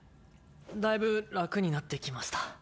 だいぶ楽になってきました。